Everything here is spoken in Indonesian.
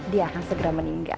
dia akan segera meninggal